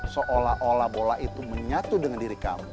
seolah olah bola itu menyatu dengan diri kami